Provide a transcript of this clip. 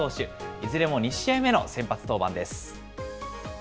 いずれも２試合目の先発登板です。